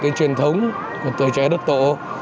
cái truyền thống của tuổi trẻ đất tổ